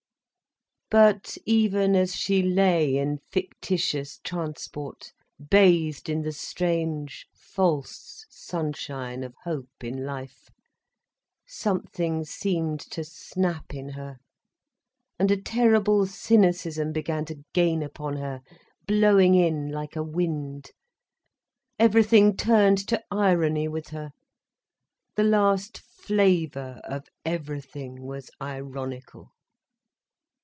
But even as she lay in fictitious transport, bathed in the strange, false sunshine of hope in life, something seemed to snap in her, and a terrible cynicism began to gain upon her, blowing in like a wind. Everything turned to irony with her: the last flavour of everything was ironical.